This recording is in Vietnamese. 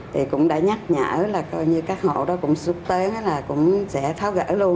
thì cũng đã nhắc nhở là coi như các hộ đó cũng xúc tiến là cũng sẽ tháo gỡ luôn